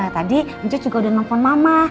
tadi cucu udah nelfon mama